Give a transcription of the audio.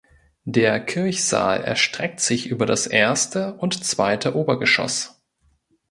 Der Kirchsaal erstreckt sich über das erste und zweite Obergeschoss.